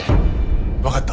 わかった。